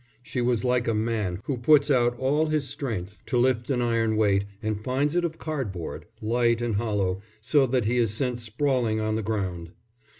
She was like a man who puts out all his strength to lift an iron weight and finds it of cardboard, light and hollow, so that he is sent sprawling on the ground.